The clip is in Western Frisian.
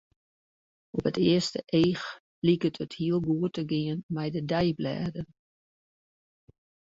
Op it earste each liket it hiel goed te gean mei de deiblêden.